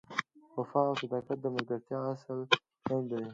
وفا او صداقت د ملګرتیا اصل دی.